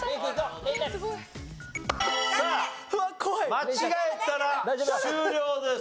間違えたら終了です。